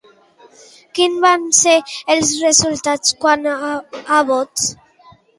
Quins van ser els resultats quant a vots?